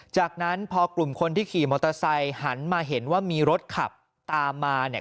จากนั้นพอกลุ่มคนที่ขี่มอเตอร์ไซค์หันมาเห็นว่ามีรถขับตามมาเนี่ย